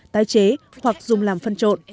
tái chế hoặc dùng lại